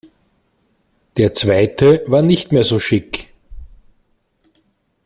Der zweite war nicht mehr so chic.